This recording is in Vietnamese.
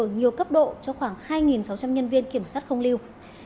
ở nhiều cấp độ cho khoảng hai sáu trăm linh nhân viên kiểm soát không lưu